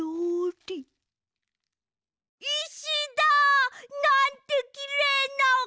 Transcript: いしだ！なんてきれいな。